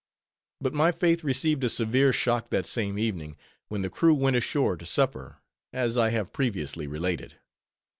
But my faith received a severe shock that same evening, when the crew went ashore to supper, as I have previously related.